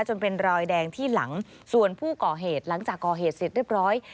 จนเป็นรอยแดงที่หลังส่วนผู้ก่อเหตุหลังจากก่อเหตุเสร็จเรียบร้อย